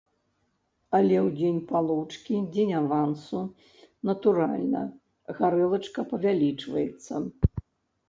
Але ў дзень палучкі, дзень авансу, натуральна, гарэлачка павялічваецца.